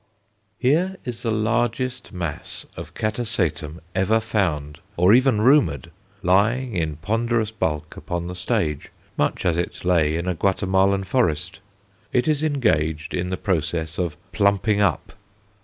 Here is the largest mass of Catasetum ever found, or even rumoured, lying in ponderous bulk upon the stage, much as it lay in a Guatemalan forest. It is engaged in the process of "plumping up."